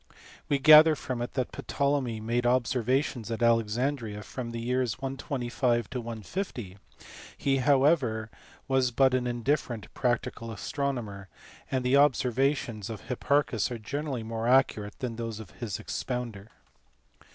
We gather from it that Ptolemy made observations at Alexandria from the years 125 to 150; he however was but an indifferent practical astronomer, and the observations of Hipparchus are generally more accurate than those of his expounder.